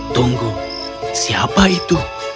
tunggu siapa itu